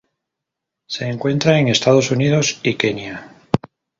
Se encuentra en Estados Unidos y Kenia.